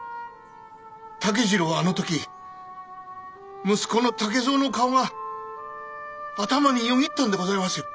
竹次郎はあの時息子の竹蔵の顔が頭によぎったんでございますよ。